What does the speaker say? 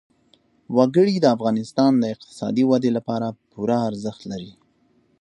وګړي د افغانستان د اقتصادي ودې لپاره پوره ارزښت لري.